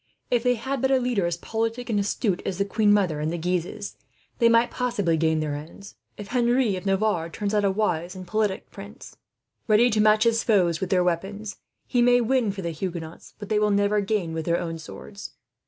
If they had but a leader as politic and astute as the queen mother and the Guises, they might possibly gain their ends. If Henry of Navarre turns out a wise and politic prince, ready to match his foes with their own weapons, he may win for the Huguenots what they will never gain with their own swords.